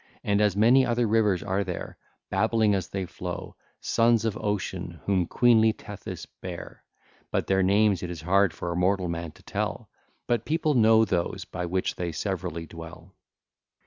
And as many other rivers are there, babbling as they flow, sons of Ocean, whom queenly Tethys bare, but their names it is hard for a mortal man to tell, but people know those by which they severally dwell. (ll.